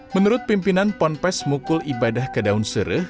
menurut pimpinan pondok pesantren mukul ibadah ke daun seruh